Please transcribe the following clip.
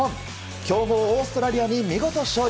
強豪オーストラリアに見事勝利。